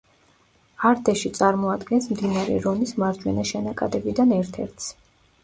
არდეში წარმოადგენს მდინარე რონის მარჯვენა შენაკადებიდან ერთ-ერთს.